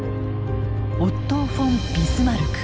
オットー・フォン・ビスマルク。